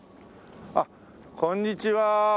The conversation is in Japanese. あっこんにちは。